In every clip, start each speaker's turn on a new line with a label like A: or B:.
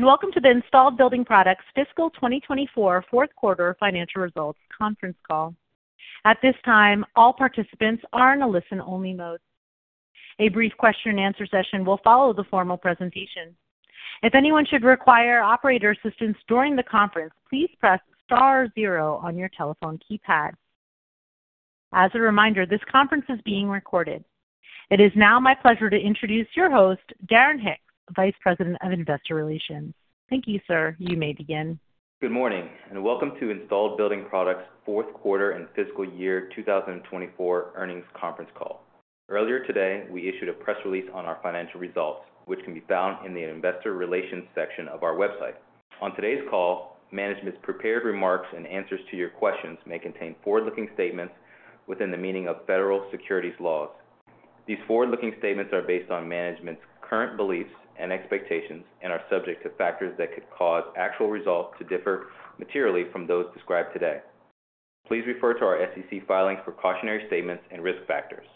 A: Welcome to the Installed Building Products Fiscal 2024 Fourth Quarter Financial Results Conference Call. At this time, all participants are in a listen-only mode. A brief question-and-answer session will follow the formal presentation. If anyone should require operator assistance during the conference, please press Star zero on your telephone keypad. As a reminder, this conference is being recorded. It is now my pleasure to introduce your host, Darren Hicks, Vice President of Investor Relations. Thank you, sir. You may begin.
B: Good morning and welcome to Installed Building Products Fourth Quarter and Fiscal Year 2024 Earnings Conference Call. Earlier today, we issued a press release on our financial results, which can be found in the Investor Relations section of our website. On today's call, management's prepared remarks and answers to your questions may contain forward-looking statements within the meaning of federal securities laws. These forward-looking statements are based on management's current beliefs and expectations and are subject to factors that could cause actual results to differ materially from those described today. Please refer to our SEC filings for cautionary statements and risk factors.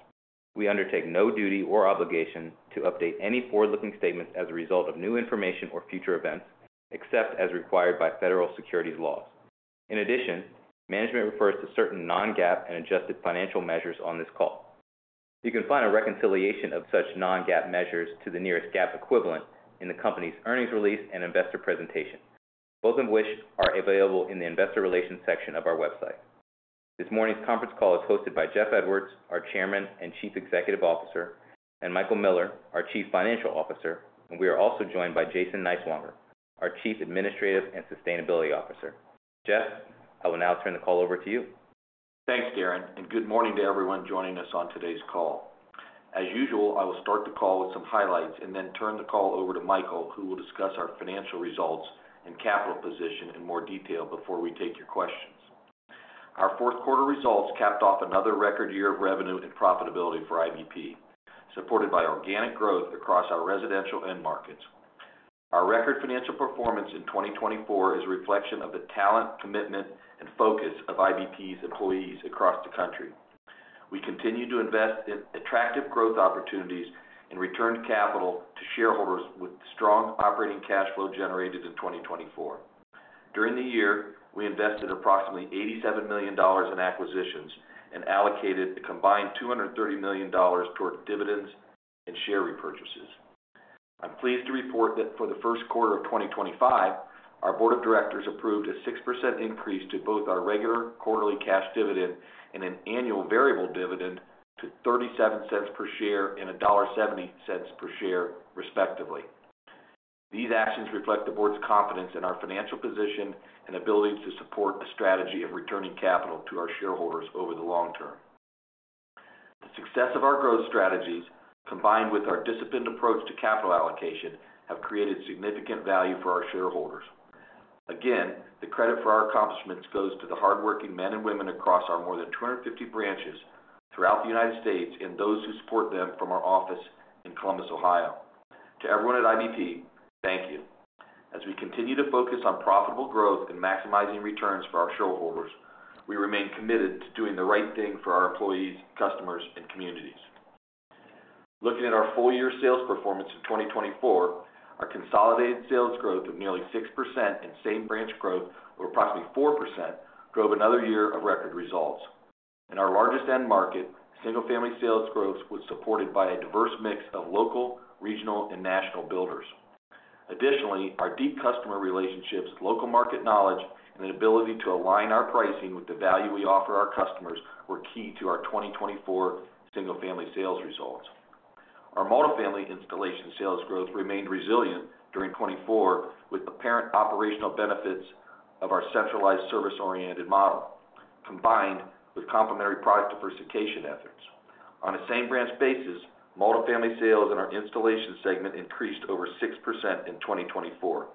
B: We undertake no duty or obligation to update any forward-looking statements as a result of new information or future events, except as required by federal securities laws. In addition, management refers to certain non-GAAP and adjusted financial measures on this call. You can find a reconciliation of such non-GAAP measures to the nearest GAAP equivalent in the company's earnings release and investor presentation, both of which are available in the Investor Relations section of our website. This morning's conference call is hosted by Jeff Edwards, our Chairman and Chief Executive Officer, and Michael Miller, our Chief Financial Officer, and we are also joined by Jason Niswonger, our Chief Administrative and Sustainability Officer. Jeff, I will now turn the call over to you.
C: Thanks, Darren, and good morning to everyone joining us on today's call. As usual, I will start the call with some highlights and then turn the call over to Michael, who will discuss our financial results and capital position in more detail before we take your questions. Our fourth quarter results capped off another record year of revenue and profitability for IBP, supported by organic growth across our residential end markets. Our record financial performance in 2024 is a reflection of the talent, commitment, and focus of IBP's employees across the country. We continue to invest in attractive growth opportunities and return capital to shareholders with strong operating cash flow generated in 2024. During the year, we invested approximately $87 million in acquisitions and allocated a combined $230 million toward dividends and share repurchases. I'm pleased to report that for the first quarter of 2025, our Board of Directors approved a 6% increase to both our regular quarterly cash dividend and an annual variable dividend to $0.37 per share and $1.70 per share, respectively. These actions reflect the Board's confidence in our financial position and ability to support a strategy of returning capital to our shareholders over the long term. The success of our growth strategies, combined with our disciplined approach to capital allocation, have created significant value for our shareholders. Again, the credit for our accomplishments goes to the hardworking men and women across our more than 250 branches throughout the United States and those who support them from our office in Columbus, Ohio. To everyone at IBP, thank you. As we continue to focus on profitable growth and maximizing returns for our shareholders, we remain committed to doing the right thing for our employees, customers, and communities. Looking at our full-year sales performance in 2024, our consolidated sales growth of nearly 6% and same-branch growth of approximately 4% drove another year of record results. In our largest end market, single-family sales growth was supported by a diverse mix of local, regional, and national builders. Additionally, our deep customer relationships, local market knowledge, and the ability to align our pricing with the value we offer our customers were key to our 2024 single-family sales results. Our multi-family installation sales growth remained resilient during 2024 with apparent operational benefits of our centralized service-oriented model, combined with complementary product diversification efforts. On a same-branch basis, multi-family sales in our installation segment increased over 6% in 2024.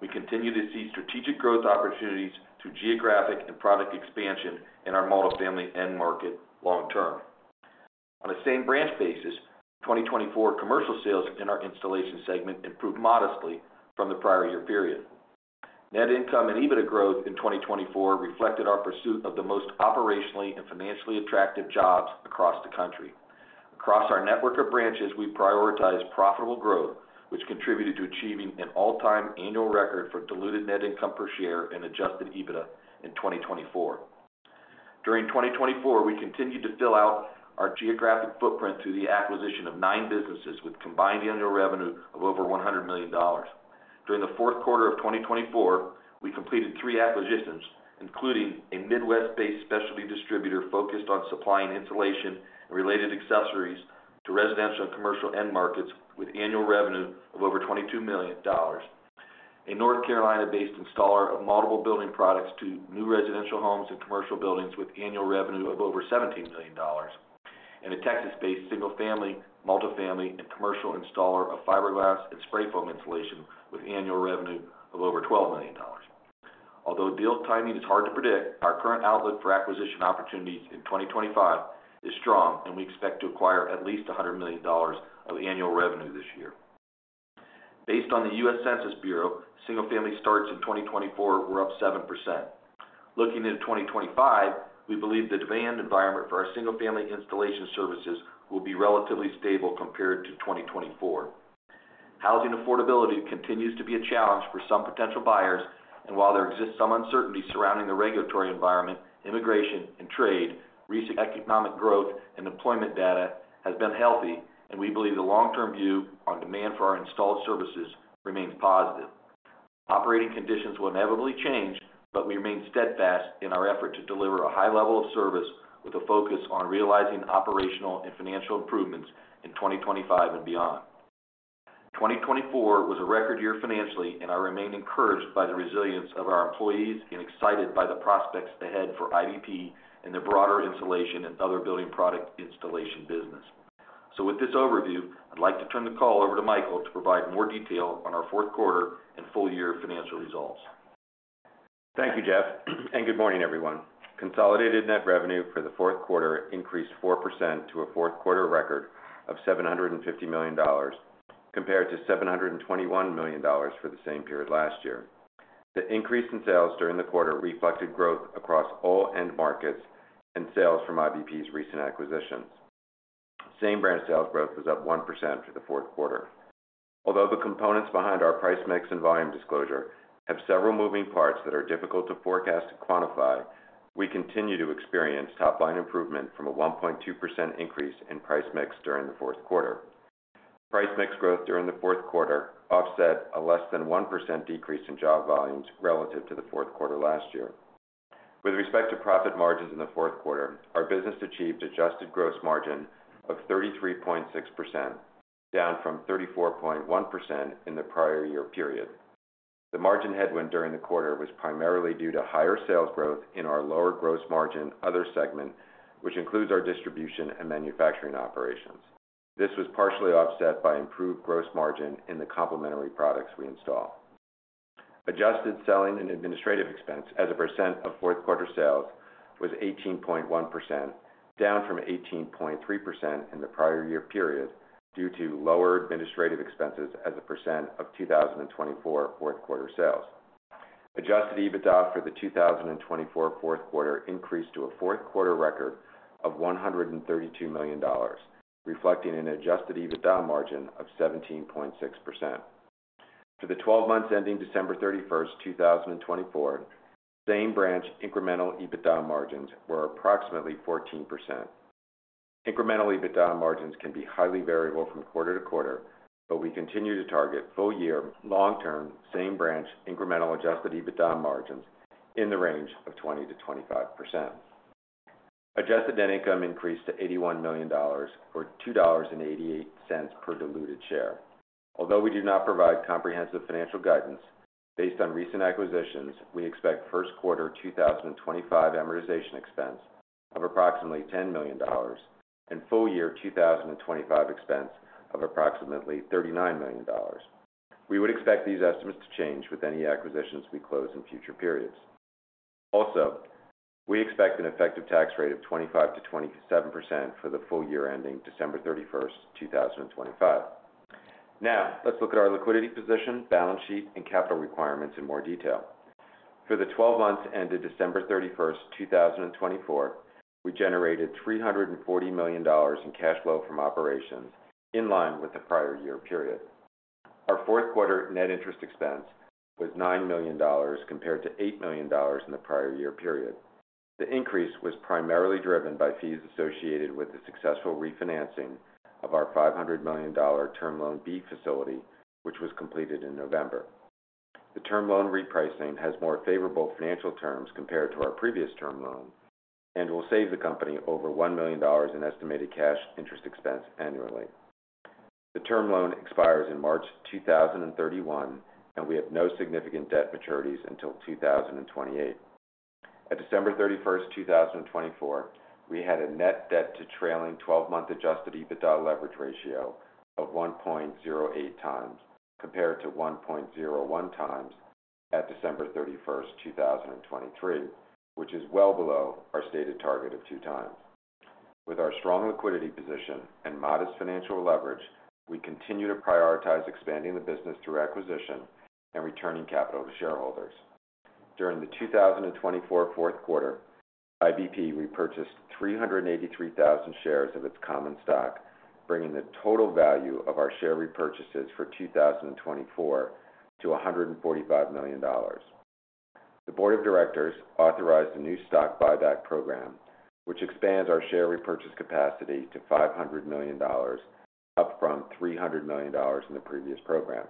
C: We continue to see strategic growth opportunities through geographic and product expansion in our multi-family end market long term. On a same-branch basis, 2024 commercial sales in our installation segment improved modestly from the prior year period. Net income and EBITDA growth in 2024 reflected our pursuit of the most operationally and financially attractive jobs across the country. Across our network of branches, we prioritized profitable growth, which contributed to achieving an all-time annual record for diluted net income per share and Adjusted EBITDA in 2024. During 2024, we continued to fill out our geographic footprint through the acquisition of nine businesses with combined annual revenue of over $100 million. During the fourth quarter of 2024, we completed three acquisitions, including a Midwest-based specialty distributor focused on supplying insulation and related accessories to residential and commercial end markets with annual revenue of over $22 million, a North Carolina-based installer of multiple building products to new residential homes and commercial buildings with annual revenue of over $17 million, and a Texas-based single-family, multi-family, and commercial installer of fiberglass and spray foam insulation with annual revenue of over $12 million. Although deal timing is hard to predict, our current outlook for acquisition opportunities in 2025 is strong, and we expect to acquire at least $100 million of annual revenue this year. Based on the U.S. Census Bureau, single-family starts in 2024 were up 7%. Looking into 2025, we believe the demand environment for our single-family installation services will be relatively stable compared to 2024. Housing affordability continues to be a challenge for some potential buyers, and while there exists some uncertainty surrounding the regulatory environment, immigration and trade, recent economic growth, and employment data have been healthy, and we believe the long-term view on demand for our installed services remains positive. Operating conditions will inevitably change, but we remain steadfast in our effort to deliver a high level of service with a focus on realizing operational and financial improvements in 2025 and beyond. 2024 was a record year financially, and I remain encouraged by the resilience of our employees and excited by the prospects ahead for IBP and the broader installation and other building product installation business. So with this overview, I'd like to turn the call over to Michael to provide more detail on our fourth quarter and full-year financial results. Thank you, Jeff, and good morning, everyone. Consolidated net revenue for the fourth quarter increased 4% to a fourth quarter record of $750 million, compared to $721 million for the same period last year. The increase in sales during the quarter reflected growth across all end markets and sales from IBP's recent acquisitions. Same-branch sales growth was up 1% for the fourth quarter. Although the components behind our price/mix and volume disclosure have several moving parts that are difficult to forecast and quantify, we continue to experience top-line improvement from a 1.2% increase in price/mix during the fourth quarter. price/mix growth during the fourth quarter offset a less than 1% decrease in job volumes relative to the fourth quarter last year. With respect to profit margins in the fourth quarter, our business achieved Adjusted Gross Margin of 33.6%, down from 34.1% in the prior year period. The margin headwind during the quarter was primarily due to higher sales growth in our lower gross margin other segment, which includes our distribution and manufacturing operations. This was partially offset by improved gross margin in the complementary products we install. Adjusted Selling and Administrative Expense as a percent of fourth quarter sales was 18.1%, down from 18.3% in the prior year period due to lower administrative expenses as a percent of 2024 fourth quarter sales. Adjusted EBITDA for the 2024 fourth quarter increased to a fourth quarter record of $132 million, reflecting an Adjusted EBITDA margin of 17.6%. For the 12 months ending December 31, 2024, same-branch incremental EBITDA margins were approximately 14%. Incremental EBITDA margins can be highly variable from quarter to quarter, but we continue to target full-year, long-term, same-branch incremental Adjusted EBITDA margins in the range of 20%-25%. Adjusted Net Income increased to $81 million for $2.88 per diluted share. Although we do not provide comprehensive financial guidance, based on recent acquisitions, we expect first quarter 2025 amortization expense of approximately $10 million and full-year 2025 expense of approximately $39 million. We would expect these estimates to change with any acquisitions we close in future periods. Also, we expect an effective tax rate of 25 to 27% for the full year ending December 31, 2025. Now, let's look at our liquidity position, balance sheet, and capital requirements in more detail. For the 12 months ended December 31, 2024, we generated $340 million in cash flow from operations in line with the prior year period. Our fourth quarter net interest expense was $9 million compared to $8 million in the prior year period. The increase was primarily driven by fees associated with the successful refinancing of our $500 million Term Loan B facility, which was completed in November. The term loan repricing has more favorable financial terms compared to our previous term loan and will save the company over $1 million in estimated cash interest expense annually. The term loan expires in March 2031, and we have no significant debt maturities until 2028. At December 31, 2024, we had a net debt to trailing 12-month Adjusted EBITDA leverage ratio of 1.08 times compared to 1.01 times at December 31, 2023, which is well below our stated target of 2 times. With our strong liquidity position and modest financial leverage, we continue to prioritize expanding the business through acquisition and returning capital to shareholders. During the 2024 fourth quarter, IBP repurchased 383,000 shares of its common stock, bringing the total value of our share repurchases for 2024 to $145 million. The Board of Directors authorized a new stock buyback program, which expands our share repurchase capacity to $500 million, up from $300 million in the previous program.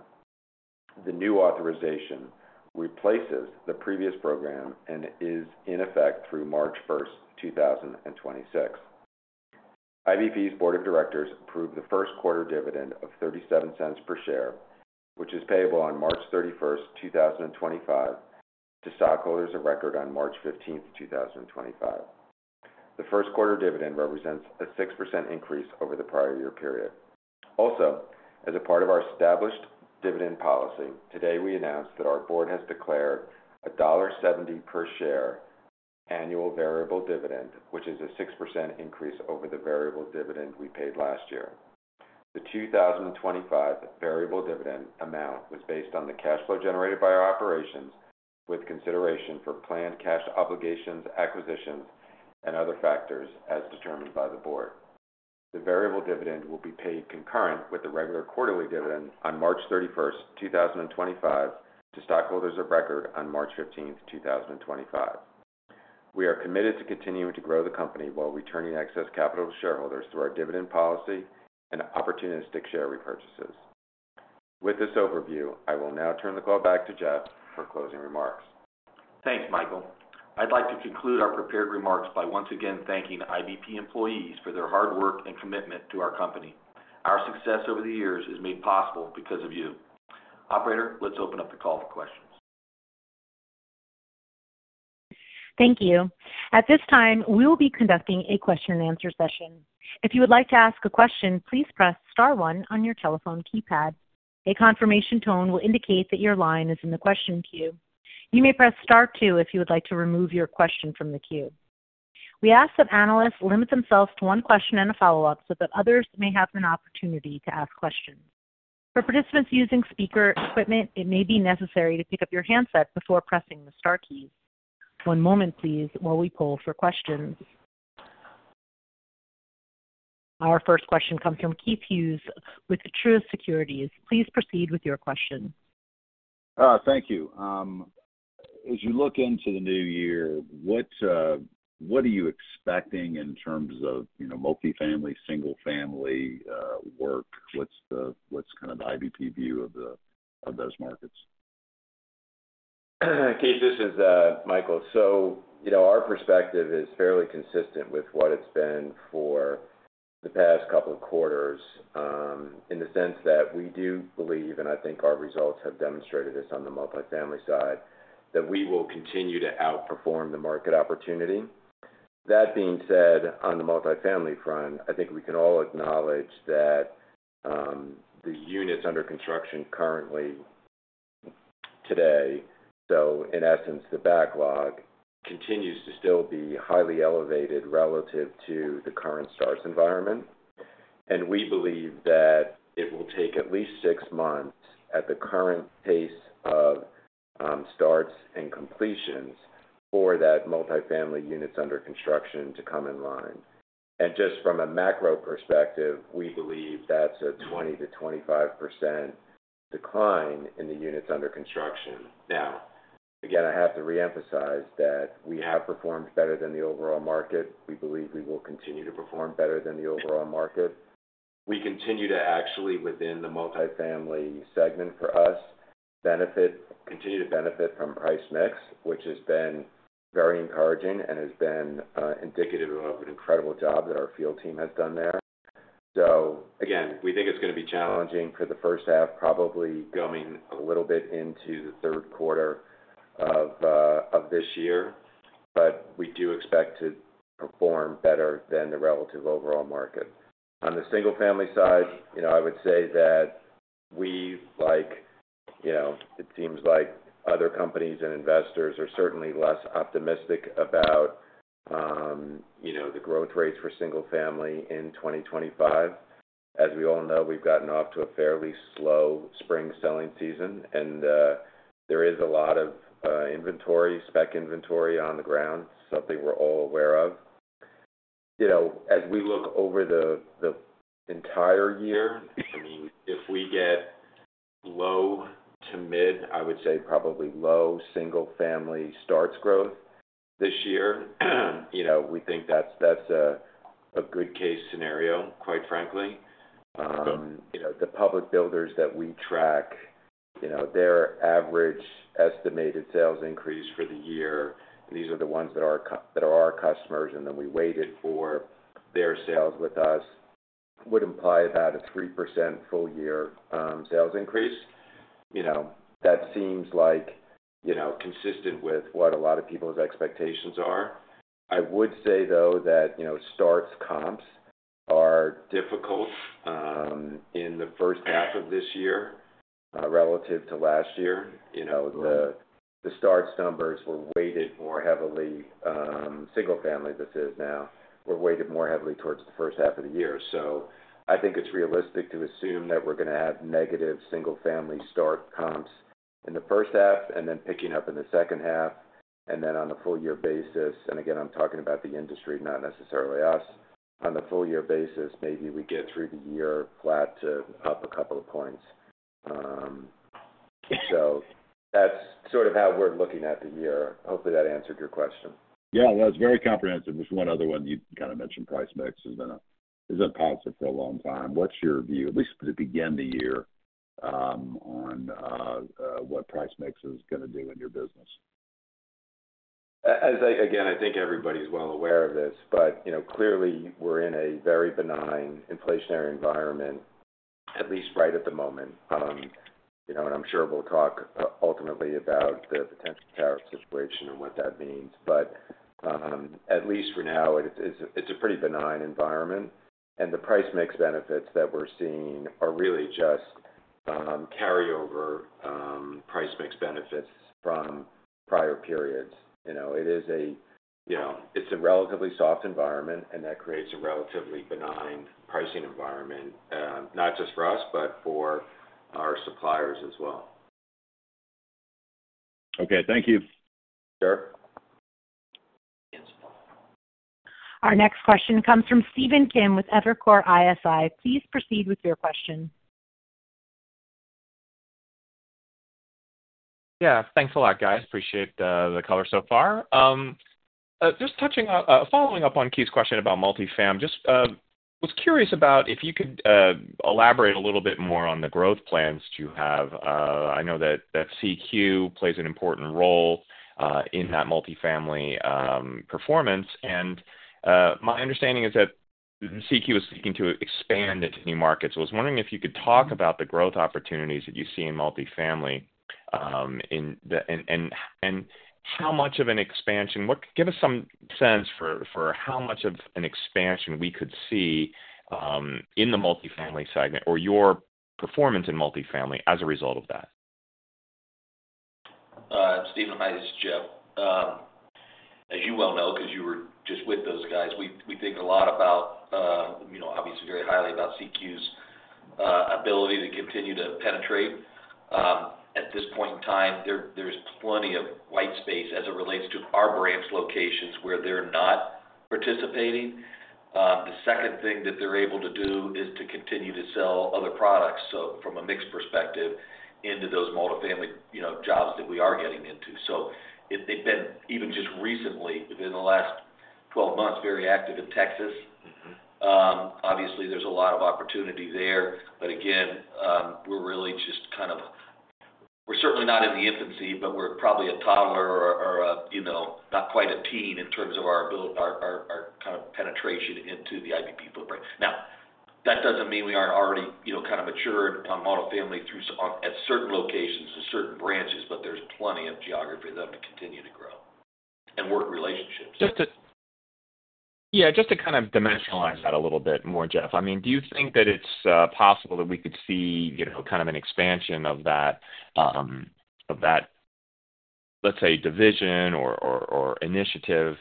C: The new authorization replaces the previous program and is in effect through March 1, 2026. IBP's Board of Directors approved the first quarter dividend of $0.37 per share, which is payable on March 31, 2025, to stockholders of record on March 15, 2025. The first quarter dividend represents a 6% increase over the prior year period. Also, as a part of our established dividend policy, today we announced that our board has declared a $1.70 per share annual variable dividend, which is a 6% increase over the variable dividend we paid last year. The 2025 variable dividend amount was based on the cash flow generated by our operations with consideration for planned cash obligations, acquisitions, and other factors as determined by the board. The variable dividend will be paid concurrent with the regular quarterly dividend on March 31, 2025, to stockholders of record on March 15, 2025. We are committed to continuing to grow the company while returning excess capital to shareholders through our dividend policy and opportunistic share repurchases. With this overview, I will now turn the call back to Jeff for closing remarks.
A: Thanks, Michael. I'd like to conclude our prepared remarks by once again thanking IBP employees for their hard work and commitment to our company. Our success over the years is made possible because of you. Operator, let's open up the call for questions.
D: Thank you. At this time, we will be conducting a question-and-answer session. If you would like to ask a question, please press Star 1 on your telephone keypad. A confirmation tone will indicate that your line is in the question queue. You may press Star 2 if you would like to remove your question from the queue. We ask that analysts limit themselves to one question and a follow-up so that others may have an opportunity to ask questions. For participants using speaker equipment, it may be necessary to pick up your handset before pressing the Star keys. One moment, please, while we pull for questions. Our first question comes from Keith Hughes with Truist Securities. Please proceed with your question.
E: Thank you. As you look into the new year, what are you expecting in terms of multi-family, single-family work? What's kind of the IBP view of those markets?
C: Keith, this is Michael. So our perspective is fairly consistent with what it's been for the past couple of quarters in the sense that we do believe, and I think our results have demonstrated this on the multi-family side, that we will continue to outperform the market opportunity. That being said, on the multi-family front, I think we can all acknowledge that the units under construction currently today, so in essence, the backlog, continues to still be highly elevated relative to the current starts environment. And we believe that it will take at least six months at the current pace of starts and completions for that multi-family units under construction to come in line. And just from a macro perspective, we believe that's a 20%-25% decline in the units under construction. Now, again, I have to reemphasize that we have performed better than the overall market. We believe we will continue to perform better than the overall market. We continue to actually, within the multi-family segment for us, continue to benefit from price/mix, which has been very encouraging and has been indicative of an incredible job that our field team has done there, so again, we think it's going to be challenging for the first half, probably going a little bit into the third quarter of this year, but we do expect to perform better than the relative overall market. On the single-family side, I would say that we, like it seems like other companies and investors, are certainly less optimistic about the growth rates for single-family in 2025. As we all know, we've gotten off to a fairly slow spring selling season, and there is a lot of inventory, spec inventory on the ground, something we're all aware of. As we look over the entire year, I mean, if we get low to mid, I would say probably low single-family starts growth this year, we think that's a good case scenario, quite frankly. The public builders that we track, their average estimated sales increase for the year, and these are the ones that are our customers, and then we weighted for their sales with us, would imply about a 3% full-year sales increase. That seems like consistent with what a lot of people's expectations are. I would say, though, that starts comps are difficult in the first half of this year relative to last year. The starts numbers were weighted more heavily single-family, this is now, were weighted more heavily towards the first half of the year. So I think it's realistic to assume that we're going to have negative single-family starts comps in the first half and then picking up in the second half and then on a full-year basis. And again, I'm talking about the industry, not necessarily us. On the full-year basis, maybe we get through the year flat to up a couple of points. So that's sort of how we're looking at the year. Hopefully, that answered your question.
E: Yeah, that was very comprehensive. Just one other one. You kind of mentioned price/mix has been a positive for a long time. What's your view, at least to begin the year, on what price/mix is going to do in your business?
C: Again, I think everybody's well aware of this, but clearly, we're in a very benign inflationary environment, at least right at the moment. And I'm sure we'll talk ultimately about the potential tariff situation and what that means. But at least for now, it's a pretty benign environment. And the price/mix benefits that we're seeing are really just carryover price/mix benefits from prior periods. It is a relatively soft environment, and that creates a relatively benign pricing environment, not just for us, but for our suppliers as well.
E: Okay. Thank you.
C: Sure.
D: Our next question comes from Stephen Kim with Evercore ISI. Please proceed with your question.
F: Yeah. Thanks a lot, guys. Appreciate the color so far. Just following up on Keith's question about multi-family, just was curious about if you could elaborate a little bit more on the growth plans that you have. I know that CQ plays an important role in that multi-family performance. And my understanding is that CQ is seeking to expand into new markets. I was wondering if you could talk about the growth opportunities that you see in multi-family and how much of an expansion. Give us some sense for how much of an expansion we could see in the multi-family segment or your performance in multi-family as a result of that.
A: Stephen, hi. This is Jeff. As you well know, because you were just with those guys, we think a lot about, obviously, very highly about CQ's ability to continue to penetrate. At this point in time, there's plenty of white space as it relates to our branch locations where they're not participating. The second thing that they're able to do is to continue to sell other products, so from a mixed perspective into those multi-family jobs that we are getting into, so they've been even just recently, within the last 12 months, very active in Texas. Obviously, there's a lot of opportunity there, but again, we're really just kind of certainly not in the infancy, but we're probably a toddler or not quite a teen in terms of our kind of penetration into the IBP footprint. Now, that doesn't mean we aren't already kind of matured on multi-family at certain locations and certain branches, but there's plenty of geography that will continue to grow and work relationships.
F: Yeah. Just to kind of dimensionalize that a little bit more, Jeff, I mean, do you think that it's possible that we could see kind of an expansion of that, let's say, division or initiative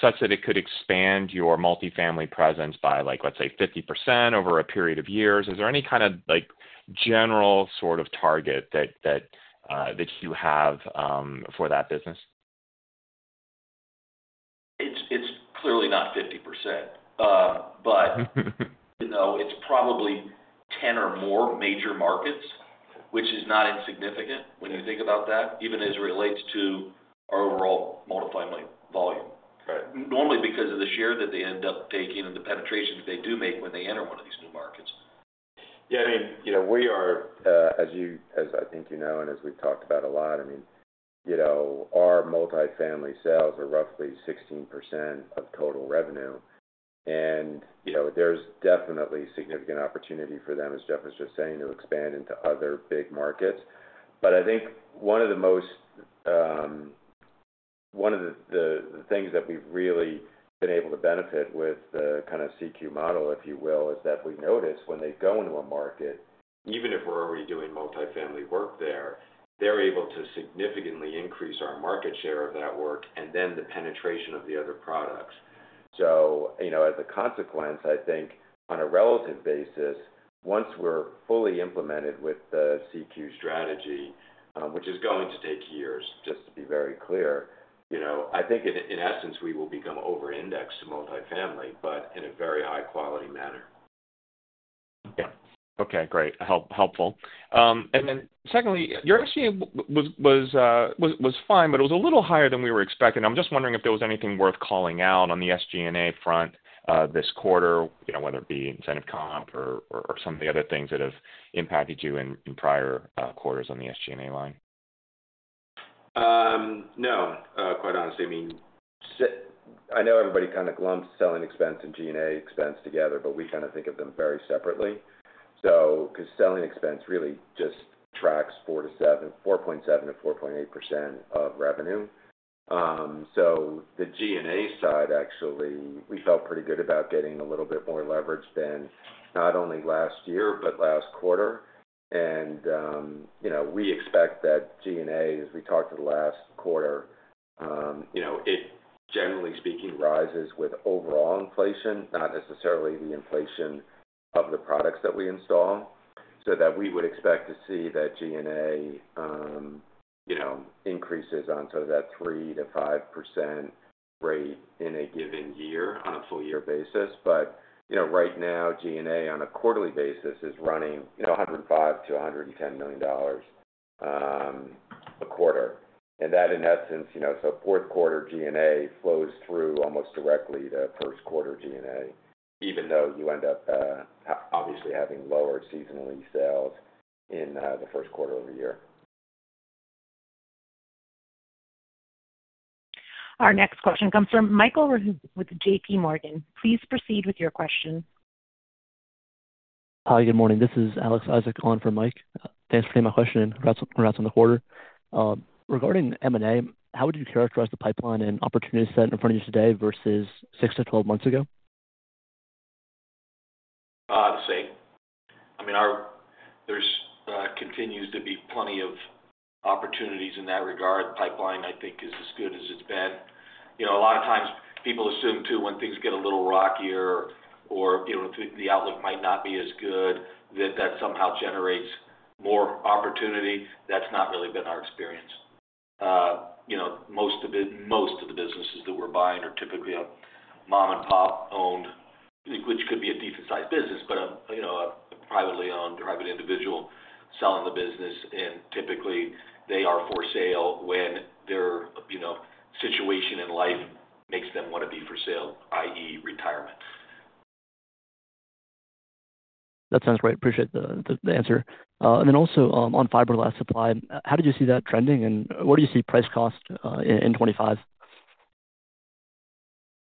F: such that it could expand your multi-family presence by, let's say, 50% over a period of years? Is there any kind of general sort of target that you have for that business?
A: It's clearly not 50%, but it's probably 10 or more major markets, which is not insignificant when you think about that, even as it relates to our overall multi-family volume. Normally, because of the share that they end up taking and the penetrations they do make when they enter one of these new markets.
C: Yeah. I mean, we are, as I think you know and as we've talked about a lot, I mean, our multi-family sales are roughly 16% of total revenue. And there's definitely significant opportunity for them, as Jeff was just saying, to expand into other big markets. But I think one of the things that we've really been able to benefit with the kind of CQ model, if you will, is that we notice when they go into a market, even if we're already doing multi-family work there, they're able to significantly increase our market share of that work and then the penetration of the other products. So as a consequence, I think on a relative basis, once we're fully implemented with the CQ strategy, which is going to take years, just to be very clear, I think in essence, we will become over-indexed to multi-family, but in a very high-quality manner.
F: Yeah. Okay. Great. Helpful. And then secondly, your SG&A was fine, but it was a little higher than we were expecting. I'm just wondering if there was anything worth calling out on the SG&A front this quarter, whether it be incentive comp or some of the other things that have impacted you in prior quarters on the SG&A line?
C: No. Quite honestly, I mean, I know everybody kind of lumps selling expense and G&A expense together, but we kind of think of them very separately. Because selling expense really just tracks 4.7%-4.8% of revenue. So the G&A side, actually, we felt pretty good about getting a little bit more leverage than not only last year, but last quarter. And we expect that G&A, as we talked the last quarter, it, generally speaking, rises with overall inflation, not necessarily the inflation of the products that we install. So that we would expect to see that G&A increases onto that 3%-5% rate in a given year on a full-year basis. But right now, G&A on a quarterly basis is running $105 million-$110 million a quarter. That, in essence, so fourth quarter G&A flows through almost directly to first quarter G&A, even though you end up obviously having lower seasonal sales in the first quarter of the year.
D: Our next question comes from Michael with J.P. Morgan. Please proceed with your question.
G: Hi. Good morning. This is Alex Isaac on for Mike. Thanks for taking my question in regards to the quarter. Regarding M&A, how would you characterize the pipeline and opportunity set in front of you today versus 6 to 12 months ago?
A: The same. I mean, there continues to be plenty of opportunities in that regard. Pipeline, I think, is as good as it's been. A lot of times, people assume too when things get a little rockier or the outlook might not be as good, that that somehow generates more opportunity. That's not really been our experience. Most of the businesses that we're buying are typically mom-and-pop owned, which could be a decent-sized business, but a privately owned, private individual selling the business, and typically, they are for sale when their situation in life makes them want to be for sale, i.e., retirement.
G: That sounds great. Appreciate the answer. And then also on fiberglass supply, how did you see that trending? And what do you see price cost in 2025?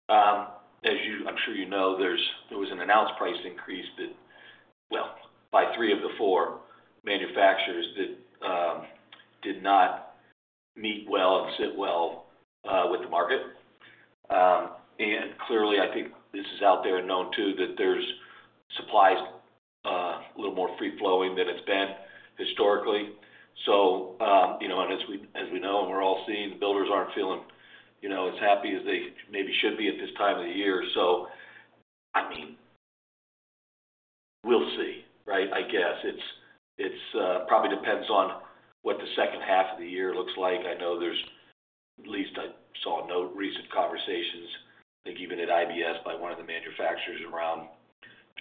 A: I'm sure you know there was an announced price increase, but well, by three of the four manufacturers that did not meet well and sit well with the market. Clearly, I think this is out there and known too that there's supplies a little more free-flowing than it's been historically. As we know and we're all seeing, builders aren't feeling as happy as they maybe should be at this time of the year. I mean, we'll see, right? I guess. It probably depends on what the second half of the year looks like. I know there's at least I saw recent conversations, I think even at IBS, by one of the manufacturers around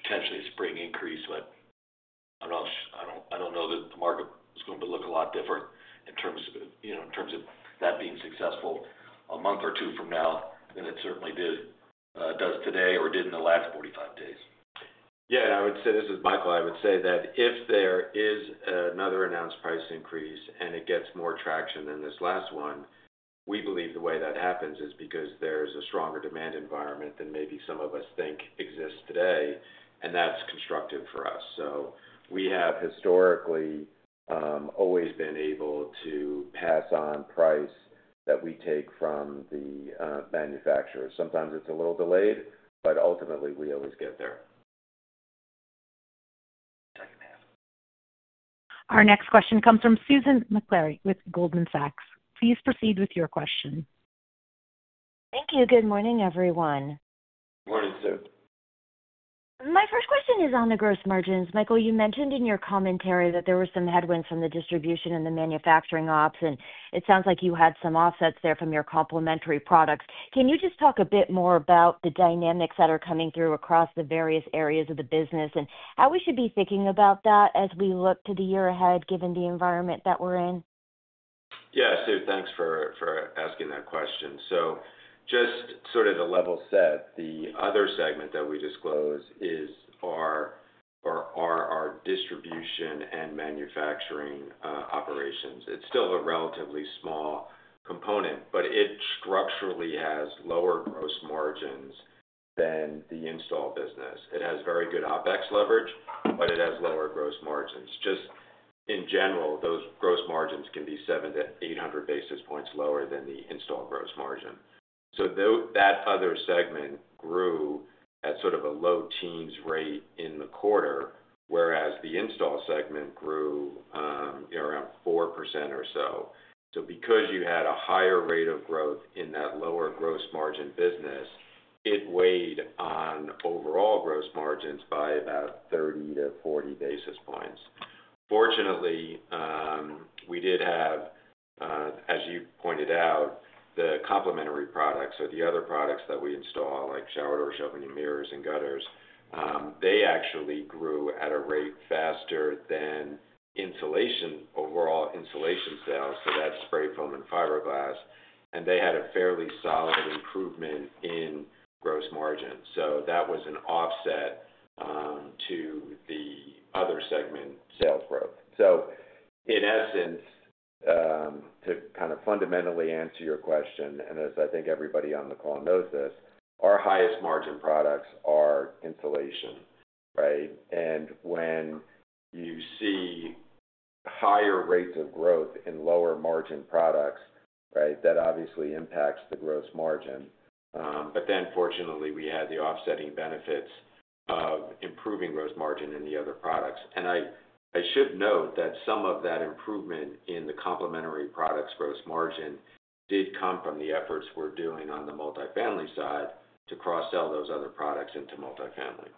A: potentially a spring increase. But I don't know that the market was going to look a lot different in terms of that being successful a month or two from now than it certainly does today or did in the last 45 days.
C: Yeah. And I would say this is Michael. I would say that if there is another announced price increase and it gets more traction than this last one, we believe the way that happens is because there's a stronger demand environment than maybe some of us think exists today. And that's constructive for us. So we have historically always been able to pass on price that we take from the manufacturers. Sometimes it's a little delayed, but ultimately, we always get there.
D: Our next question comes from Susan Maklari with Goldman Sachs. Please proceed with your question.
H: Thank you. Good morning, everyone.
C: Good morning, sir.
H: My first question is on the gross margins. Michael, you mentioned in your commentary that there were some headwinds from the distribution and the manufacturing ops. And it sounds like you had some offsets there from your complementary products. Can you just talk a bit more about the dynamics that are coming through across the various areas of the business and how we should be thinking about that as we look to the year ahead given the environment that we're in?
C: Yeah. So thanks for asking that question. So just sort of the level set, the other segment that we disclose is our distribution and manufacturing operations. It's still a relatively small component, but it structurally has lower gross margins than the install business. It has very good OpEx leverage, but it has lower gross margins. Just in general, those gross margins can be 700 to 800 basis points lower than the install gross margin. So that other segment grew at sort of a low-teens rate in the quarter, whereas the install segment grew around 4% or so. So because you had a higher rate of growth in that lower gross margin business, it weighed on overall gross margins by about 30 to 40 basis points. Fortunately, we did have, as you pointed out, the complementary products. The other products that we install, like showers, shower doors, mirrors, and gutters, actually grew at a rate faster than overall insulation sales, so that's spray foam and fiberglass. They had a fairly solid improvement in gross margins, so that was an offset to the other segment sales growth. In essence, to kind of fundamentally answer your question, and as I think everybody on the call knows this, our highest margin products are insulation, right? When you see higher rates of growth in lower margin products, right, that obviously impacts the gross margin. Fortunately, we had the offsetting benefits of improving gross margin in the other products. I should note that some of that improvement in the complementary products' gross margin did come from the efforts we're doing on the multi-family side to cross-sell those other products into multi-family.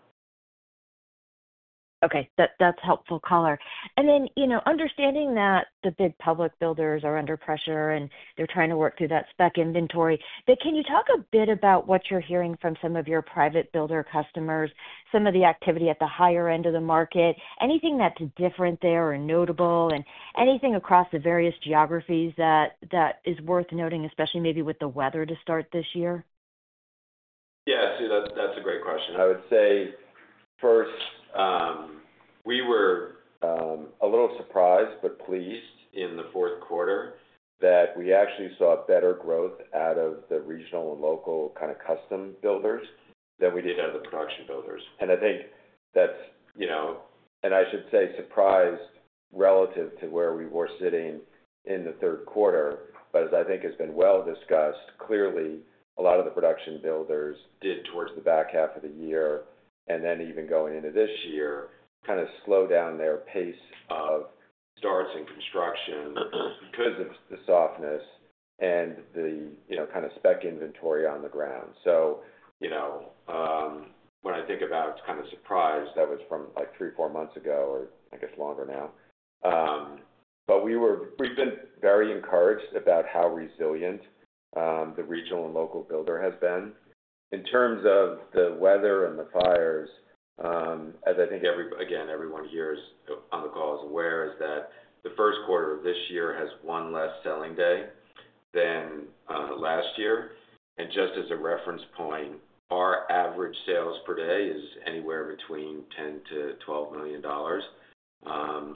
H: Okay. That's helpful, Caller. And then understanding that the big public builders are under pressure and they're trying to work through that spec inventory, can you talk a bit about what you're hearing from some of your private builder customers, some of the activity at the higher end of the market, anything that's different there or notable, and anything across the various geographies that is worth noting, especially maybe with the weather to start this year?
C: Yeah. So that's a great question. I would say first, we were a little surprised but pleased in the fourth quarter that we actually saw better growth out of the regional and local kind of custom builders than we did out of the production builders. And I think that's, and I should say, surprised relative to where we were sitting in the third quarter. But as I think has been well discussed, clearly, a lot of the production builders did towards the back half of the year and then even going into this year kind of slow down their pace of starts and construction because of the softness and the kind of spec inventory on the ground. So when I think about kind of surprised, that was from like three, four months ago or, I guess, longer now. We've been very encouraged about how resilient the regional and local builder has been. In terms of the weather and the fires, as I think again everyone here on the call is aware, is that the first quarter of this year has one less selling day than last year. And just as a reference point, our average sales per day is anywhere between $10 million to $12 million.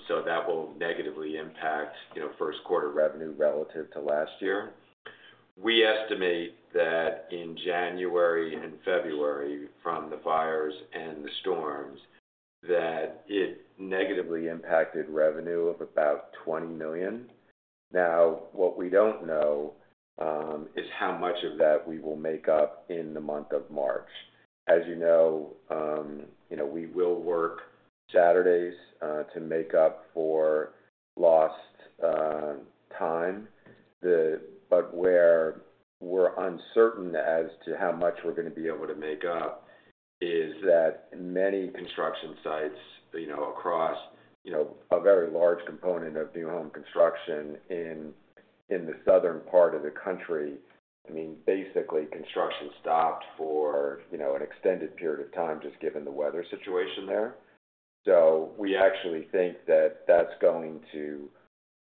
C: So that will negatively impact first quarter revenue relative to last year. We estimate that in January and February from the fires and the storms, that it negatively impacted revenue of about $20 million. Now, what we don't know is how much of that we will make up in the month of March. As you know, we will work Saturdays to make up for lost time. But where we're uncertain as to how much we're going to be able to make up is that many construction sites across a very large component of new home construction in the southern part of the country, I mean, basically construction stopped for an extended period of time just given the weather situation there. So we actually think that that's going to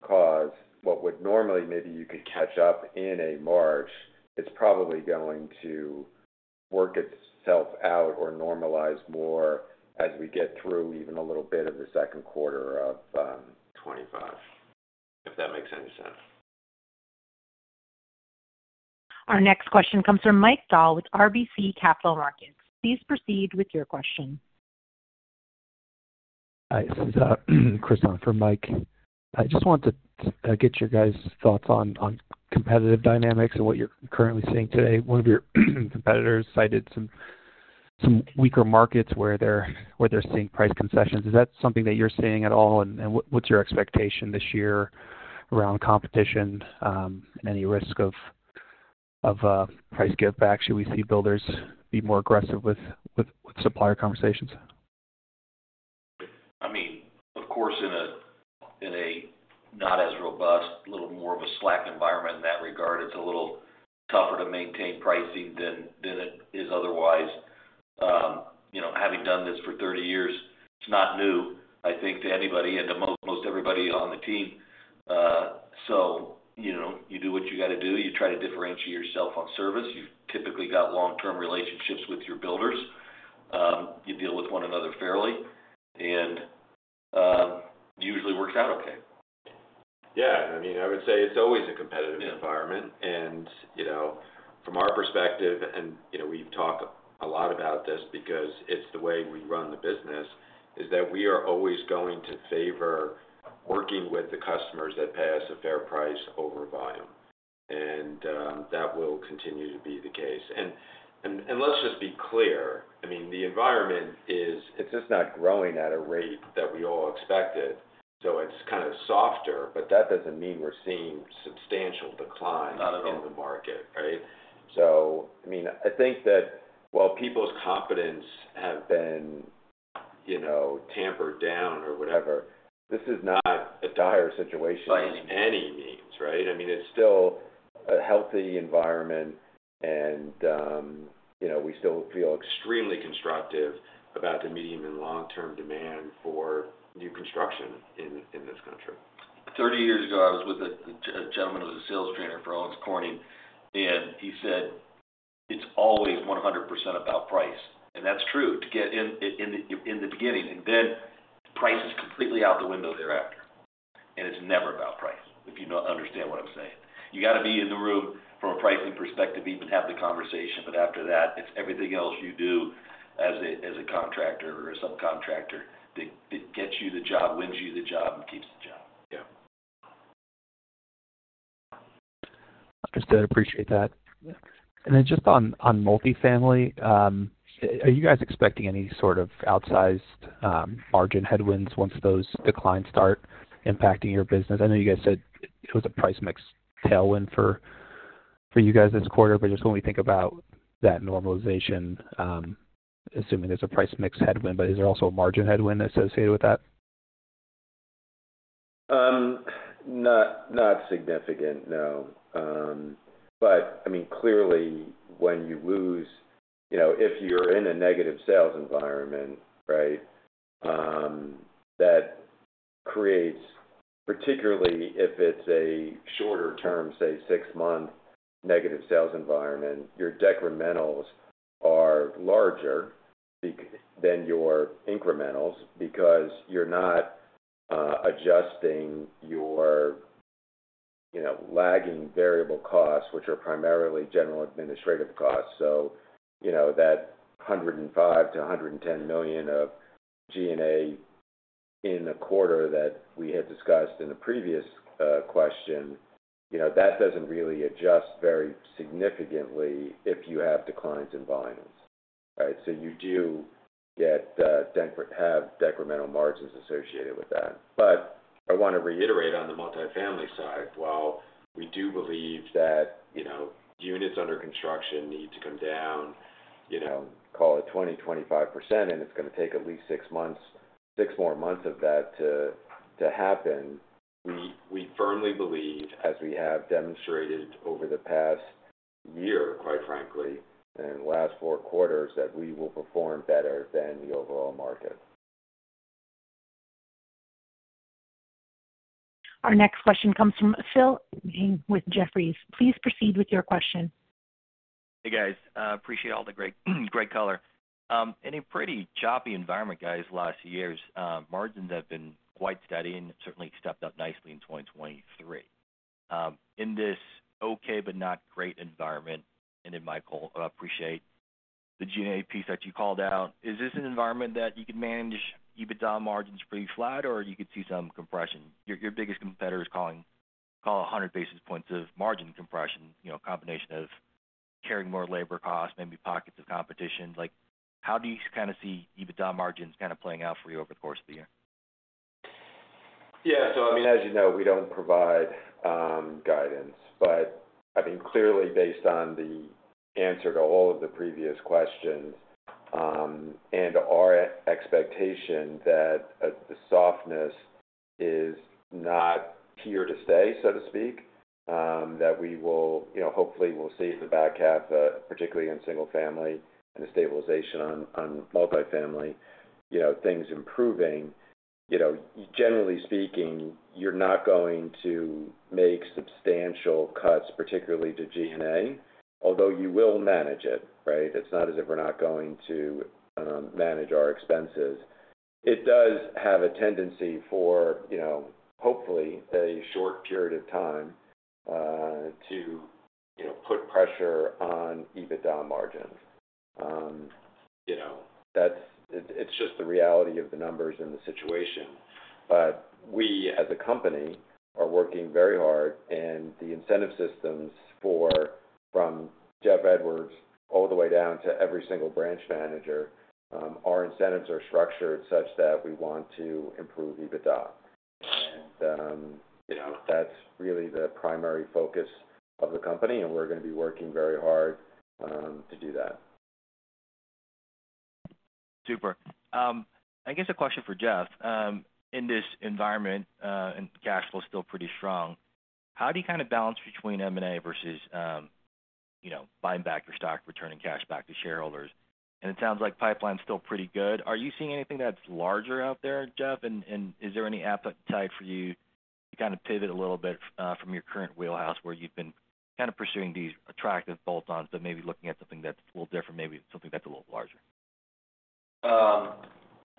C: cause what would normally maybe you could catch up in a March, it's probably going to work itself out or normalize more as we get through even a little bit of the second quarter of 2025, if that makes any sense.
D: Our next question comes from Mike Dahl with RBC Capital Markets. Please proceed with your question.
G: Hi. This is Chris on for Mike. I just want to get your guys' thoughts on competitive dynamics and what you're currently seeing today. One of your competitors cited some weaker markets where they're seeing price concessions. Is that something that you're seeing at all? And what's your expectation this year around competition and any risk of price give back? Should we see builders be more aggressive with supplier conversations?
A: I mean, of course, in a not as robust, a little more of a slack environment in that regard, it's a little tougher to maintain pricing than it is otherwise. Having done this for 30 years, it's not new, I think, to anybody and to most everybody on the team. So you do what you got to do. You try to differentiate yourself on service. You've typically got long-term relationships with your builders. You deal with one another fairly. And it usually works out okay.
C: Yeah. I mean, I would say it's always a competitive environment. And from our perspective, and we've talked a lot about this because it's the way we run the business, is that we are always going to favor working with the customers that pay us a fair price over volume. And that will continue to be the case. And let's just be clear. I mean, the environment is just not growing at a rate that we all expected. So it's kind of softer, but that doesn't mean we're seeing substantial declines in the market, right? So I mean, I think that while people's confidence has been tempered down or whatever, this is not a dire situation by any means, right? I mean, it's still a healthy environment. And we still feel extremely constructive about the medium and long-term demand for new construction in this country.
A: 30 years ago, I was with a gentleman who was a sales trainer for Owens Corning. And he said, "It's always 100% about price." And that's true to get in the beginning. And then price is completely out the window thereafter. And it's never about price, if you understand what I'm saying. You got to be in the room from a pricing perspective, even have the conversation. But after that, it's everything else you do as a contractor or a subcontractor that gets you the job, wins you the job, and keeps the job.
C: Yeah.
G: Understood. Appreciate that. And then just on multi-family, are you guys expecting any sort of outsized margin headwinds once those declines start impacting your business? I know you guys said it was a price/mix tailwind for you guys this quarter, but just when we think about that normalization, assuming there's a price/mix headwind, but is there also a margin headwind associated with that?
C: Not significant, no. But I mean, clearly, when you lose, if you're in a negative sales environment, right, that creates, particularly if it's a shorter-term, say, six-month negative sales environment, your decrementals are larger than your incrementals because you're not adjusting your lagging variable costs, which are primarily general administrative costs. So that $105 million-$110 million of G&A in the quarter that we had discussed in the previous question, that doesn't really adjust very significantly if you have declines in volumes, right? So you do have decremental margins associated with that. But I want to reiterate on the multi-family side, while we do believe that units under construction need to come down, call it 20%-25%, and it's going to take at least six more months of that to happen. We firmly believe, as we have demonstrated over the past year, quite frankly, and last four quarters, that we will perform better than the overall market.
D: Our next question comes from Phil with Jefferies. Please proceed with your question. Hey, guys. Appreciate all the great color. In a pretty choppy environment, guys, last year, margins have been quite steady and certainly stepped up nicely in 2023. In this okay but not great environment, and in my call, I appreciate the G&A piece that you called out. Is this an environment that you could manage EBITDA margins pretty flat or you could see some compression? Your biggest competitor is calling 100 basis points of margin compression, a combination of carrying more labor costs, maybe pockets of competition. How do you kind of see EBITDA margins kind of playing out for you over the course of the year?
C: Yeah. So I mean, as you know, we don't provide guidance. But I mean, clearly, based on the answer to all of the previous questions and our expectation that the softness is not here to stay, so to speak, that we will hopefully see in the back half, particularly in single-family and the stabilization on multi-family, things improving, generally speaking, you're not going to make substantial cuts, particularly to G&A, although you will manage it, right? It's not as if we're not going to manage our expenses. It does have a tendency for, hopefully, a short period of time to put pressure on EBITDA margins. It's just the reality of the numbers and the situation. But we, as a company, are working very hard. The incentive systems from Jeff Edwards all the way down to every single branch manager, our incentives are structured such that we want to improve EBITDA. That's really the primary focus of the company. We're going to be working very hard to do that.
I: Super. I guess a question for Jeff. In this environment, and cash flow is still pretty strong, how do you kind of balance between M&A versus buying back your stock, returning cash back to shareholders, and it sounds like pipeline is still pretty good. Are you seeing anything that's larger out there, Jeff, and is there any appetite for you to kind of pivot a little bit from your current wheelhouse where you've been kind of pursuing these attractive bolt-ons but maybe looking at something that's a little different, maybe something that's a little larger?
A: I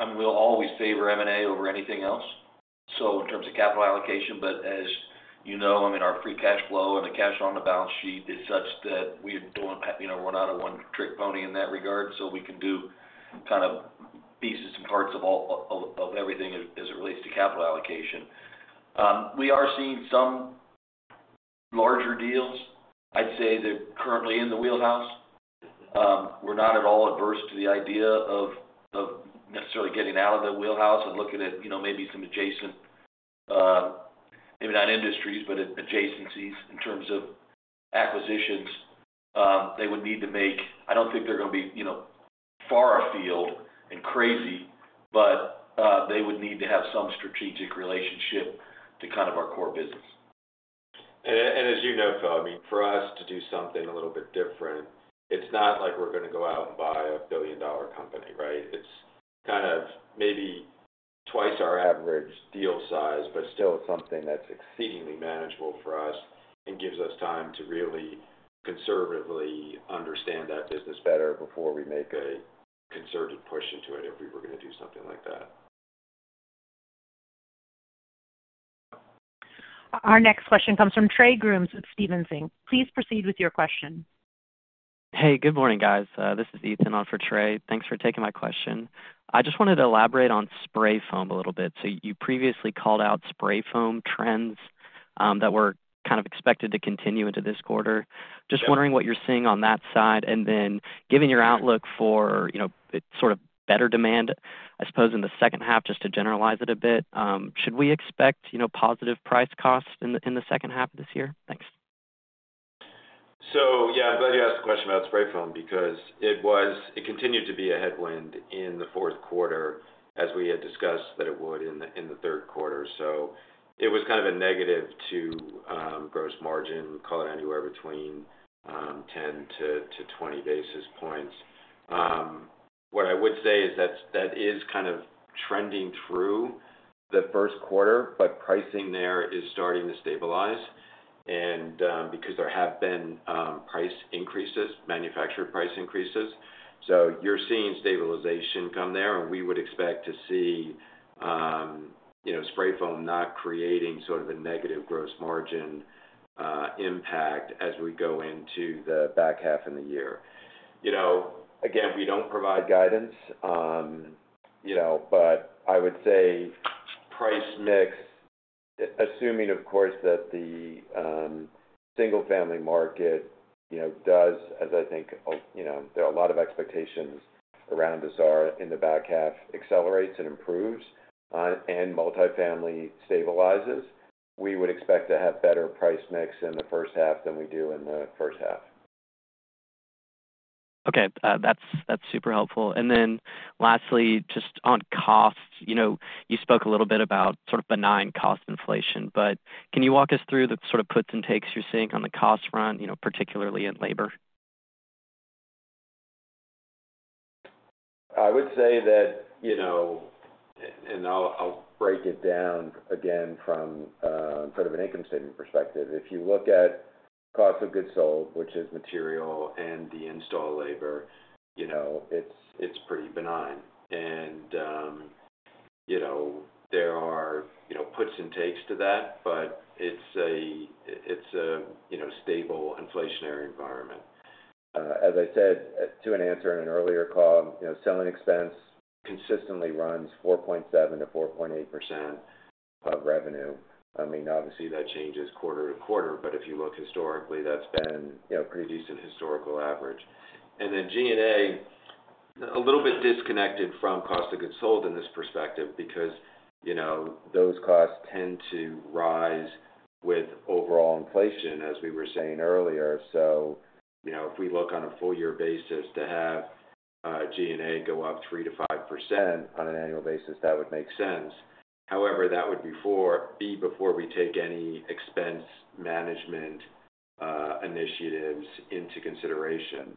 A: mean, we'll always favor M&A over anything else, so in terms of capital allocation, but as you know, I mean, our free cash flow and the cash on the balance sheet is such that we're not a one-trick pony in that regard, so we can do kind of pieces and parts of everything as it relates to capital allocation. We are seeing some larger deals. I'd say they're currently in the wheelhouse. We're not at all adverse to the idea of necessarily getting out of the wheelhouse and looking at maybe some adjacent, maybe not industries, but adjacencies in terms of acquisitions they would need to make. I don't think they're going to be far afield and crazy, but they would need to have some strategic relationship to kind of our core business.
C: As you know, Phil, I mean, for us to do something a little bit different, it's not like we're going to go out and buy a billion-dollar company, right? It's kind of maybe twice our average deal size, but still something that's exceedingly manageable for us and gives us time to really conservatively understand that business better before we make a concerted push into it if we were going to do something like that.
D: Our next question comes from Trey Grooms with Stephens. Please proceed with your question.
I: Hey, good morning, guys. This is Ethan on for Trey. Thanks for taking my question. I just wanted to elaborate on spray foam a little bit. So you previously called out spray foam trends that were kind of expected to continue into this quarter. Just wondering what you're seeing on that side. And then given your outlook for sort of better demand, I suppose, in the second half, just to generalize it a bit, should we expect positive price costs in the second half of this year? Thanks.
C: So yeah, I'm glad you asked the question about spray foam because it continued to be a headwind in the fourth quarter, as we had discussed that it would in the third quarter. So it was kind of a negative to gross margin, call it anywhere between 10-20 basis points. What I would say is that that is kind of trending through the first quarter, but pricing there is starting to stabilize because there have been price increases, manufacturer price increases. So you're seeing stabilization come there. And we would expect to see spray foam not creating sort of a negative gross margin impact as we go into the back half of the year. Again, we don't provide guidance. But I would say price/mix, assuming, of course, that the single-family market does, as I think there are a lot of expectations around this in the back half, accelerates and improves and multi-family stabilizes, we would expect to have better price/mix in the first half than we do in the first half.
I: Okay. That's super helpful. And then lastly, just on costs, you spoke a little bit about sort of benign cost inflation. But can you walk us through the sort of puts and takes you're seeing on the cost run, particularly in labor?
C: I would say that, and I'll break it down again from sort of an income statement perspective, if you look at cost of goods sold, which is material and the install labor, it's pretty benign. And there are puts and takes to that, but it's a stable inflationary environment. As I said to an answer in an earlier call, selling expense consistently runs 4.7%-4.8% of revenue. I mean, obviously, that changes quarter to quarter. But if you look historically, that's been a pretty decent historical average. And then G&A, a little bit disconnected from cost of goods sold in this perspective because those costs tend to rise with overall inflation, as we were saying earlier. So if we look on a full-year basis to have G&A go up 3%-5% on an annual basis, that would make sense. However, that would be before we take any expense management initiatives into consideration.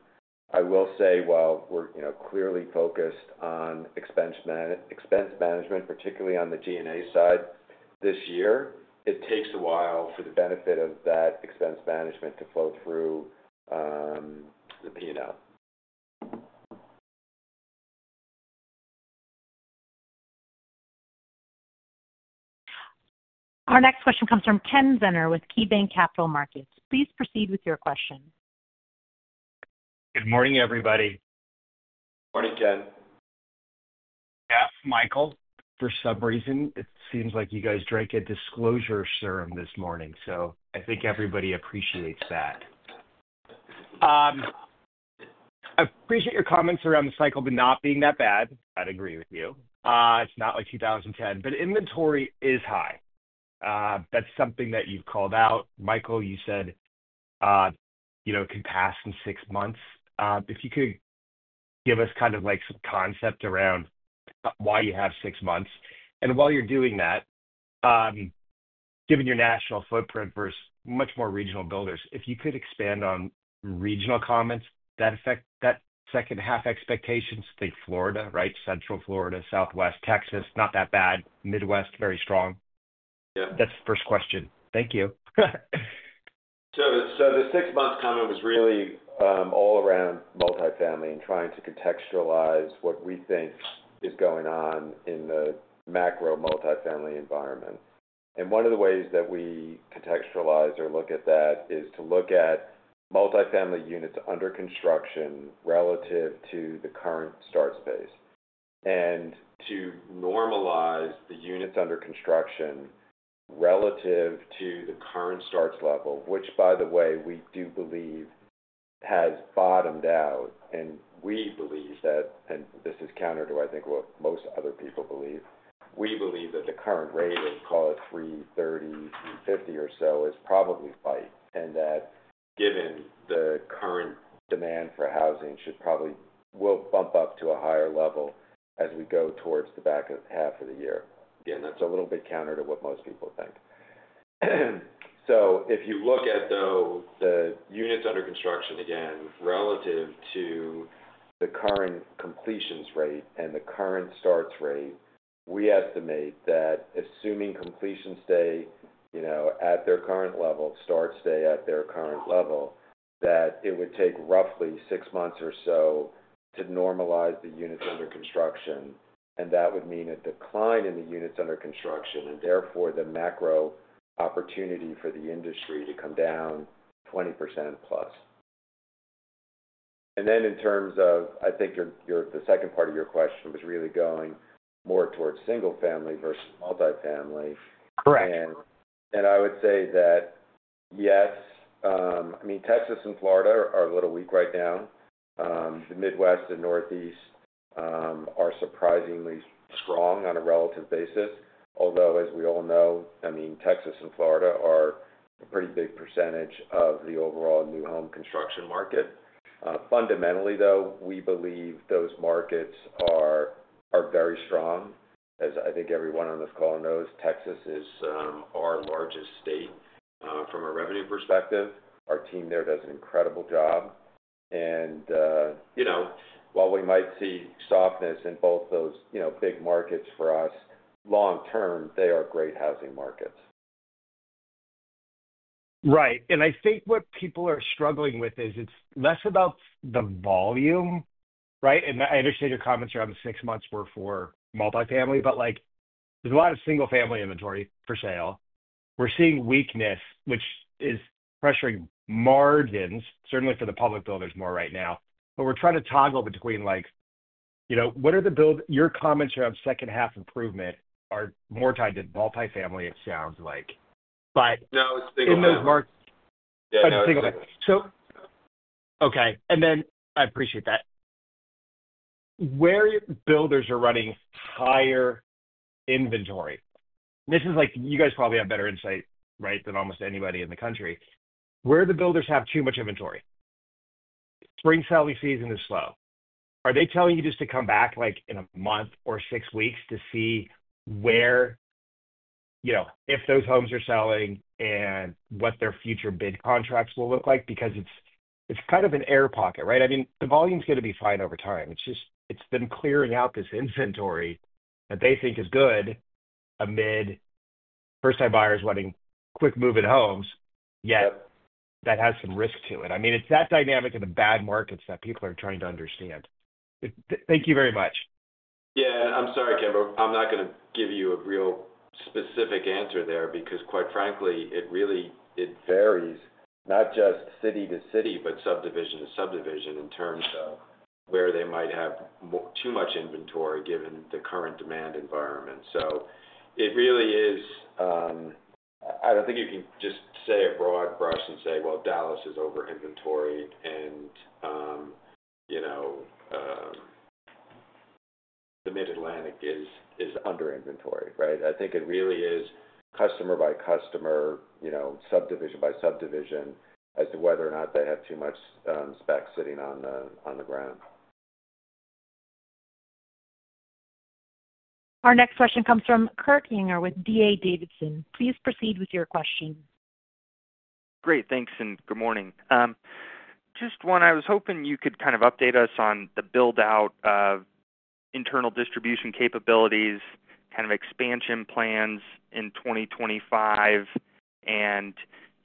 C: I will say, while we're clearly focused on expense management, particularly on the G&A side this year, it takes a while for the benefit of that expense management to flow through the P&L.
D: Our next question comes from Ken Zener with KeyBanc Capital Markets. Please proceed with your question.
I: Good morning, everybody.
C: Morning, Ken.
J: Jeff, Michael.
C: For some reason, it seems like you guys drank a disclosure serum this morning, so I think everybody appreciates that.
J: I appreciate your comments around the cycle of it not being that bad. I'd agree with you. It's not like 2010. But inventory is high. That's something that you've called out. Michael, you said it can pass in six months. If you could give us kind of some concept around why you have six months. And while you're doing that, given your national footprint versus much more regional builders, if you could expand on regional comments that affect that second-half expectations, think Florida, right? Central Florida, Southwest, Texas, not that bad. Midwest, very strong. That's the first question. Thank you.
C: The six-month comment was really all around multi-family and trying to contextualize what we think is going on in the macro multi-family environment. One of the ways that we contextualize or look at that is to look at multi-family units under construction relative to the current start pace and to normalize the units under construction relative to the current starts level, which, by the way, we do believe has bottomed out. We believe that, and this is counter to, I think, what most other people believe. We believe that the current rate, call it 330, 350 or so, is probably right. Given the current demand for housing, it should probably bump up to a higher level as we go towards the back half of the year. That's a little bit counter to what most people think. If you look at, though, the units under construction, again, relative to the current completions rate and the current starts rate, we estimate that assuming completions stay at their current level, starts stay at their current level, that it would take roughly six months or so to normalize the units under construction. That would mean a decline in the units under construction and therefore the macro opportunity for the industry to come down 20% plus. Then in terms of, I think the second part of your question was really going more towards single-family versus multi-family. I would say that, yes, I mean, Texas and Florida are a little weak right now. The Midwest and Northeast are surprisingly strong on a relative basis. Although, as we all know, I mean, Texas and Florida are a pretty big percentage of the overall new home construction market. Fundamentally, though, we believe those markets are very strong. As I think everyone on this call knows, Texas is our largest state from a revenue perspective. Our team there does an incredible job, and while we might see softness in both those big markets for us, long term, they are great housing markets.
J: Right, and I think what people are struggling with is it's less about the volume, right? And I understand your comments around the six months were for multi-family, but there's a lot of single-family inventory for sale. We're seeing weakness, which is pressuring margins, certainly for the public builders more right now, but we're trying to toggle between what are the builders' comments around second-half improvement are more tied to multi-family, it sounds like, but in those markets. No, no. I understand. Okay, and then I appreciate that. Where builders are running higher inventory. This is like you guys probably have better insight, right, than almost anybody in the country. Where do builders have too much inventory? Spring selling season is slow. Are they telling you just to come back in a month or six weeks to see where if those homes are selling and what their future bid contracts will look like? Because it's kind of an air pocket, right? I mean, the volume's going to be fine over time. It's just it's been clearing out this inventory that they think is good amid first-time buyers wanting quick move-in homes, yet that has some risk to it. I mean, it's that dynamic of the bad markets that people are trying to understand. Thank you very much.
C: Yeah. And I'm sorry, Ken. I'm not going to give you a real specific answer there because, quite frankly, it varies, not just city to city, but subdivision to subdivision in terms of where they might have too much inventory given the current demand environment. So it really is, I don't think you can just say a broad brush and say, "Well, Dallas is over-inventoried," and the Mid-Atlantic is under-inventoried, right? I think it really is customer by customer, subdivision by subdivision, as to whether or not they have too much spec sitting on the ground.
D: Our next question comes from Kurt Yinger with D.A. Davidson. Please proceed with your question.
J: Great. Thanks. And good morning. Just one, I was hoping you could kind of update us on the build-out of internal distribution capabilities, kind of expansion plans in 2025. And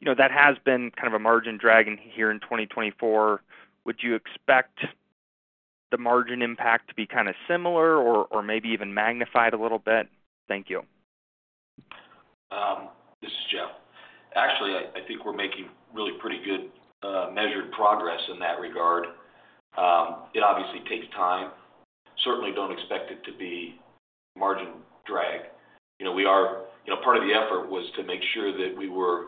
J: that has been kind of a margin drag here in 2024. Would you expect the margin impact to be kind of similar or maybe even magnified a little bit? Thank you.
B: This is Jeff. Actually, I think we're making really pretty good measured progress in that regard. It obviously takes time. Certainly don't expect it to be margin drag. We are part of the effort was to make sure that we were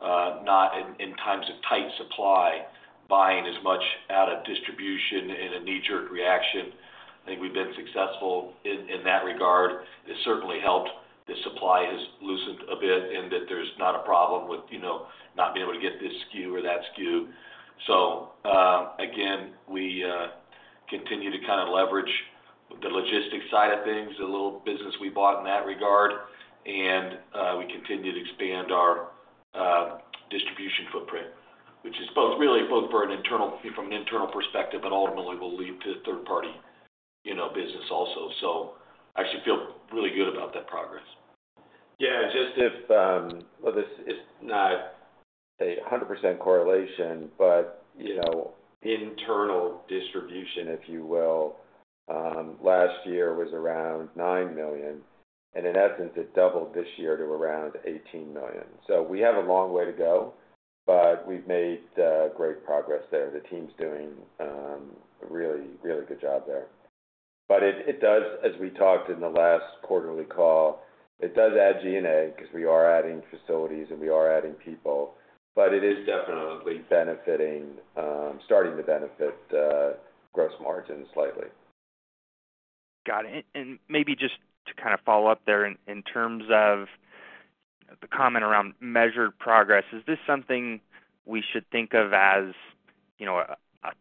B: not in times of tight supply, buying as much out of distribution in a knee-jerk reaction. I think we've been successful in that regard. It certainly helped the supply has loosened a bit and that there's not a problem with not being able to get this SKU or that SKU. So again, we continue to kind of leverage the logistics side of things, the little business we bought in that regard. And we continue to expand our distribution footprint, which is really both for an internal from an internal perspective, but ultimately will lead to third-party business also. So I actually feel really good about that progress.
C: Yeah. Just if, well, this is not a 100% correlation, but internal distribution, if you will, last year was around 9 million. And in essence, it doubled this year to around 18 million. So we have a long way to go, but we've made great progress there. The team's doing a really, really good job there. But it does, as we talked in the last quarterly call, it does add G&A because we are adding facilities and we are adding people. But it is definitely benefiting, starting to benefit gross margins slightly.
J: Got it. And maybe just to kind of follow up there in terms of the comment around measured progress, is this something we should think of as a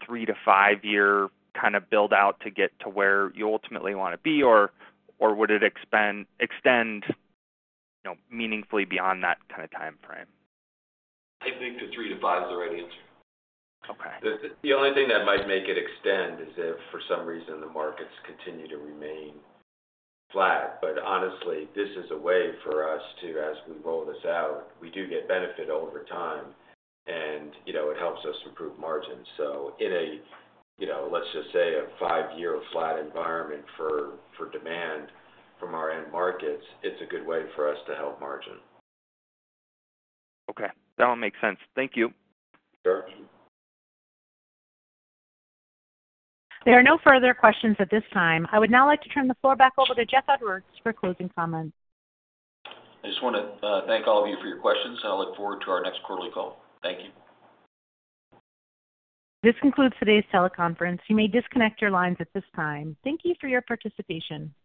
J: three- to five-year kind of build-out to get to where you ultimately want to be, or would it extend meaningfully beyond that kind of timeframe?
B: I think the three to five is the right answer. The only thing that might make it extend is if for some reason the markets continue to remain flat. But honestly, this is a way for us to, as we roll this out, we do get benefit over time, and it helps us improve margins. So in a, let's just say, a five-year flat environment for demand from our end markets, it's a good way for us to help margin.
J: Okay. That all makes sense. Thank you.
C: Sure.
D: There are no further questions at this time. I would now like to turn the floor back over to Jeff Edwards for closing comments.
B: I just want to thank all of you for your questions, and I'll look forward to our next quarterly call. Thank you.
D: This concludes today's teleconference. You may disconnect your lines at this time. Thank you for your participation.